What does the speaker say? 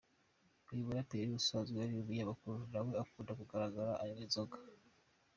Uyu muraperi usanzwe ari n’umunyamakuru, nawe akunda kugaragara anywa inzoga.